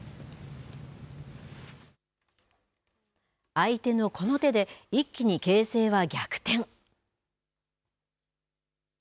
相手のこの手で一気に形勢は逆転。